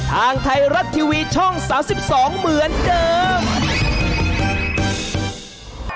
ทางไทยรัฐทีวีช่อง๓๒เหมือนเดิม